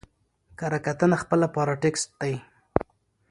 کره کتنه خپله پاراټيکسټ دئ.